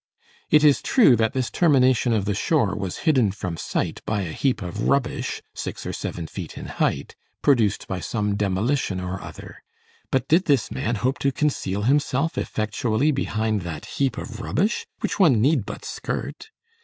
It is true that this termination of the shore was hidden from sight by a heap of rubbish six or seven feet in height, produced by some demolition or other. But did this man hope to conceal himself effectually behind that heap of rubbish, which one need but skirt?